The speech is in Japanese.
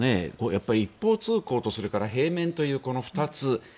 やっぱり一方通行と平面というこの２つ。